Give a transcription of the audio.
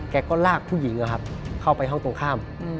แกก็ลากผู้หญิงเข้าไปห้องตรงข้าม